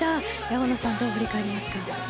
大野さん、どう振り返りますか。